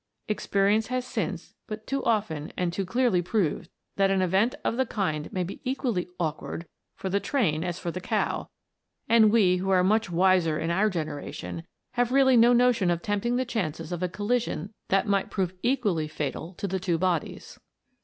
Expe 202 A TALE OF A COMET. rience has since but too often and too clearly proved that an event of the kind may be equally " awk ward" for the train as for the cow ; and we, who are much wiser in our generation, have really 110 notion of tempting the chances of a collision that might prove equally fatal to the two bodies.